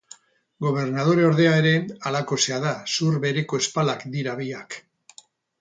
Gobernadoreordea ere halakoxea da; zur bereko ezpalak dira biak.